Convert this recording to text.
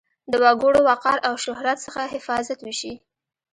د وګړو وقار او شهرت څخه حفاظت وشي.